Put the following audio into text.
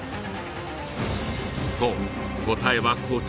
そう答えはこちら。